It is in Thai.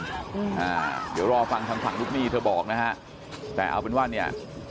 อ่าเดี๋ยวรอฟังทางฝั่งลูกหนี้เธอบอกนะฮะแต่เอาเป็นว่าเนี่ย